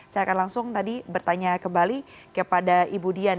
saya akan langsung tadi bertanya kembali kepada ibu dian